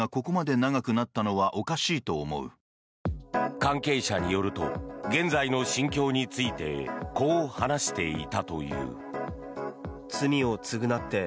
関係者によると現在の心境についてこう話していたという。